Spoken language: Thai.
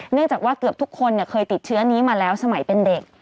เนื่องจากว่าเกือบทุกคนเคยติดเชื้อนี้มาแล้วสมัยเป็นเด็ก